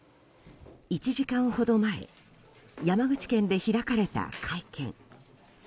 １時間ほど前山口県で開かれた会見。